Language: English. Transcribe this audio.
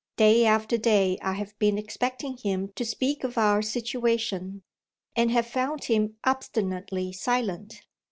Day after day I have been expecting him to speak of our situation, and have found him obstinately silent.